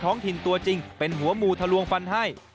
ท้องถิ่นตัวจริงเป็นหัวหมู่ทะลวงฟันให้